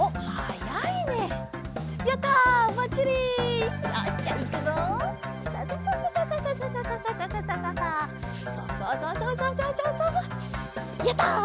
やった！